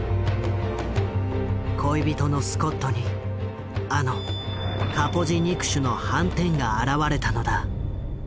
恋人のスコットにあのカポジ肉腫の斑点が現れたのだ。